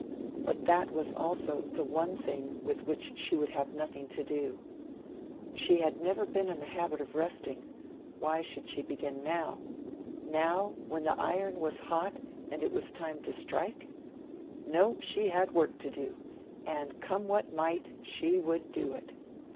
But that was also the one thing with which she would have nothing to do. She had never been in the habit of resting; why should she begin now? Now, when her opportunity had come at last; now, when the iron was hot, and it was time to strike? No; she had work to do; and, come what might, she would do it.